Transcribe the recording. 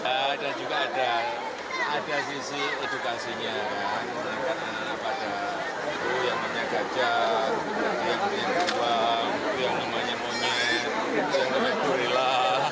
ada juga ada sisi edukasinya ada anak anak pada itu yang namanya gajah yang namanya momen yang namanya gorilla